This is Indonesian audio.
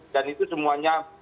dan itu semuanya